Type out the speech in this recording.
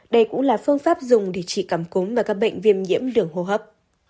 đây cũng là phương pháp dùng để trị cảm cúng và các bệnh viêm nhiễm đường hô hấp